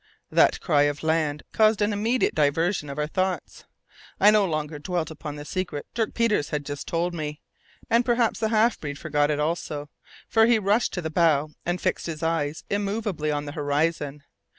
That cry of "Land" caused an immediate diversion of our thoughts. I no longer dwelt upon the secret Dirk Peters had just told me and perhaps the half breed forgot it also, for he rushed to the bow and fixed his eyes immovably on the horizon.